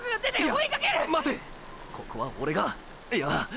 ここはオレがいや！！